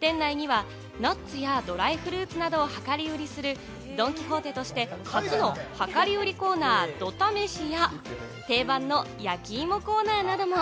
店内にはナッツやドライフルーツなどを量り売りするドン・キホーテとして初の量り売りコーナー・ド試しや定番の焼き芋コーナーなども。